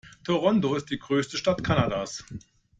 Toronto ist die größte Stadt Kanadas.